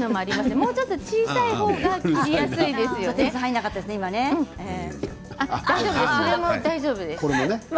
もうちょっと小さい方がやりやすいです。